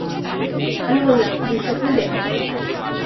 আমি বললাম, দুঃস্বপ্ন দেখে না।